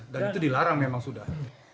dan itu dilarang memang sudah